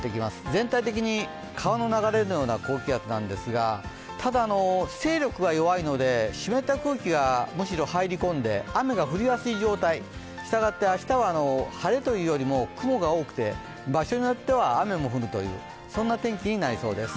全体的に川の流れるような高気圧なんですがただ勢力は弱いので、湿った空気がむしろ入り込んで雨が降りやすい状態、したがって明日は晴れというよりも雲が多くて場所によっては雨も降るという天気になりそうです。